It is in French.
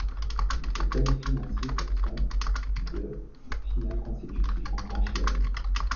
Il se qualifie ainsi pour son de finale consécutif en Grand Chelem.